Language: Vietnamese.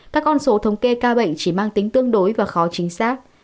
các con số thống kê ca bệnh chỉ mang tính tương đối và khó chính xác